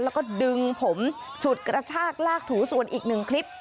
แล้วก็ดึงผมฉุดกระชากลากถูส่วนอีกหนึ่งคลิป